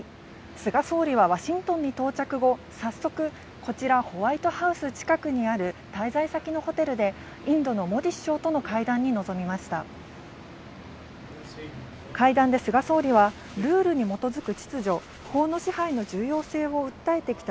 菅総理はワシントンに到着後、早速こちらホワイトハウス近くにある滞在先のホテルでインドのモディ首相との会談に臨みました。